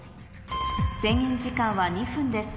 制限時間は２分です